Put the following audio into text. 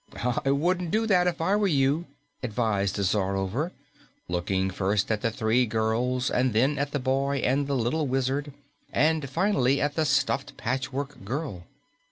"I wouldn't do that if I were you," advised the Czarover, looking first at the three girls and then at the boy and the little Wizard and finally at the stuffed Patchwork Girl.